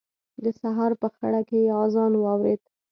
د سهار په خړه کې يې اذان واورېد.